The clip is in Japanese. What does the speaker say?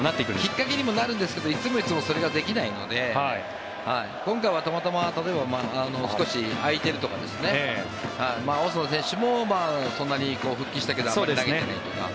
きっかけにもなるんですがいつもいつもそれはできないので今回はたまたま少し空いてるとかオスナ選手もそんなに復帰したけどあまり投げてないとか。